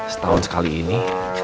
setahun sekali ini